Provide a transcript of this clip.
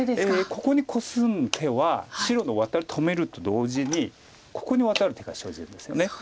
ここにコスむ手は白のワタリを止めると同時にここにワタる手が生じるんですよね。